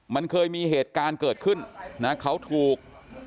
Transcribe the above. มันเคยมีเหตุการณ์เกิดขึ้นนะเขาถูก